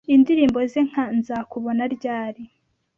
indirimbo ze nka Nzakubona Ryari,